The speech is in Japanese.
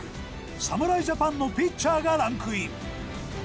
侍ジャパンのピッチャーがランクイン。